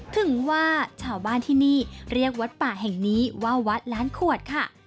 ถึงว่าชาวบ้านที่นี่เรียกวัดป่าแห่งนี้ว่าวัดล้านขวดค่ะ